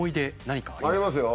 何かありますか？